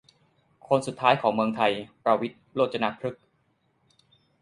คนสุดท้ายของเมืองไทย ประวิตร โรจนพฤกษ์